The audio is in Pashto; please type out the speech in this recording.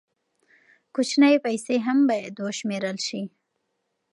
کوچنۍ پیسې هم باید وشمېرل شي.